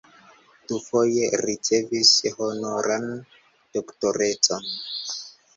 Dufoje ricevis honoran doktorecon.